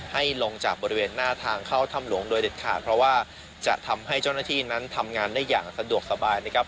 ให้ลงจากบริเวณหน้าทางเข้าถ้ำหลวงโดยเด็ดขาดเพราะว่าจะทำให้เจ้าหน้าที่นั้นทำงานได้อย่างสะดวกสบายนะครับ